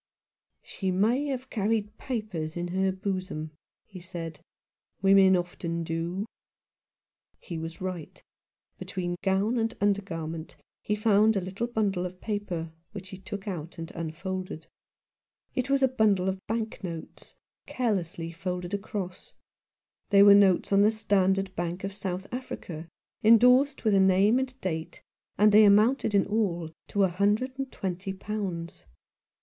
" She may have carried papers in her bosom," he said. "Women often do." He was right. Between gown and under garment he found a little bundle of paper, which he took out and unfolded. It was a bundle of bank notes 93 Rough Justice. carelessly folded across. They were notes on the Standard Bank of South Africa, endorsed with a name and date, and they amounted in all to a hundred and twenty pounds.